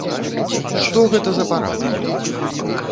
Што гэта за парадкі!